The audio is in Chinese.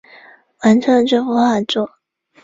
完成了这幅画作